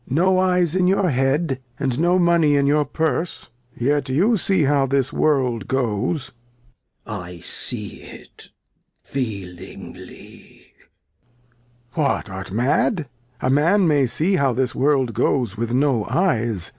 No Eyes in your Head, and no Money in your Purse ? Yet you see how this World goes. Glost. I see it feelingly. 234 Ihe History of [Act iv Lear. What! Art mad! A Man may see how this World goes with no Eyes.